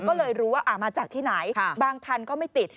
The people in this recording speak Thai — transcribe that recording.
ก็เลยรู้ว่ามาจากที่ไหนบางคันก็ไม่ติด